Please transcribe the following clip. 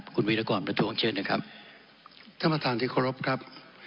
คุณวิรากรประจวงเชิญครับท่านประทานที่ขอลบครับ